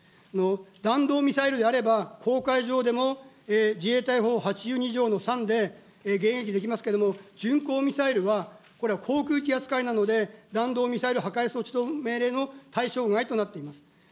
弾道ミサイルであれば、公海上でも自衛隊法８２条の３で迎撃できますけれども、巡航ミサイルは、これは航空機扱いなので、弾道ミサイル破壊措置等命令の対象外となっています。